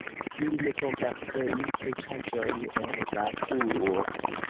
Ili ne povas krei riĉaĵojn el vakuo.